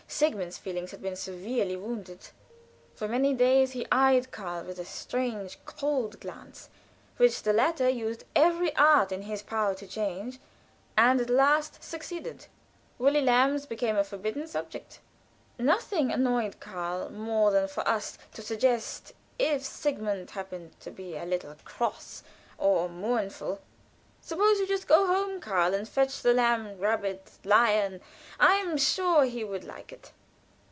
Sigmund's feelings had been severely wounded. For many days he eyed Karl with a strange, cold glance, which the latter used every art in his power to change, and at last succeeded. Woolly lambs became a forbidden subject. Nothing annoyed Karl more than for us to suggest, if Sigmund happened to be a little cross or mournful, "Suppose you just go home, Karl, and fetch the 'lamb rabbit lion.' I'm sure he would like it."